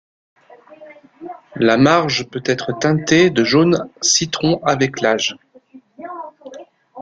La marge peut être teintée de jaune citron avec l’âge.